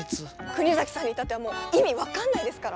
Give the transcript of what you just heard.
国崎さんに至ってはもう意味分かんないですから。